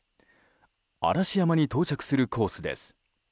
嵐山に到着するコースです。